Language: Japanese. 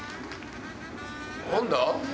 何だ？